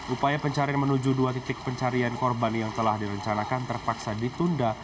upaya pencarian menuju dua titik pencarian korban yang telah direncanakan terpaksa ditunda